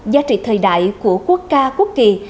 giá trị thời đại của quốc ca quốc kỳ